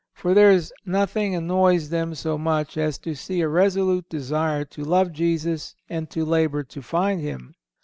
For there is nothing annoys them so much as to see a resolute desire to love Jesus and to labour to find him.